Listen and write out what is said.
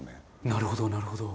なるほどなるほど。